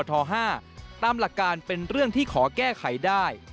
หลักการเป็นเรื่องที่ขอแก้ไขได้